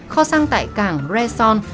kho xăng tại cảng reson